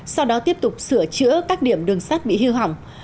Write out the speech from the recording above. sau đó tiếp tục sửa chữa các điểm đường sắt bị hư hỏng